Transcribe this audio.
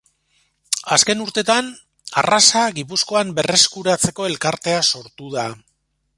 Azken urtetan arraza Gipuzkoan berreskuratzeko elkartea sortu da.